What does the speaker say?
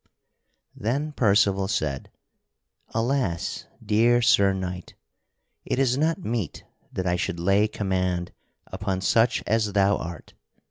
Then Percival said: "Alas, dear Sir Knight! It is not meet that I should lay command upon such as thou art.